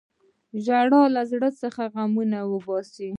• ژړا له زړه څخه غمونه باسي.